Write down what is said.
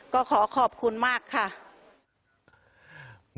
ก็ขอขอบคุณมากค่ะ